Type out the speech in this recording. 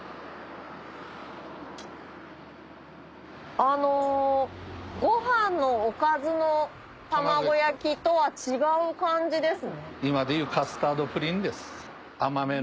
あのご飯のおかずの卵焼きとは違う感じですね。